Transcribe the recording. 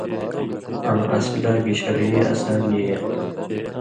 آں اسی لا گی شرعی اثر نی اے تُھو۔